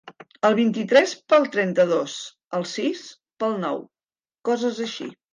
El vint-i-tres pel trenta-dos, el sis pel nou, coses així.